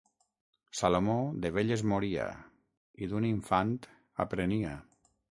Salomó, de vell es moria... i d'un infant aprenia.